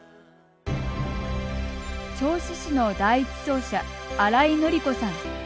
銚子市の第１走者荒井のり子さん。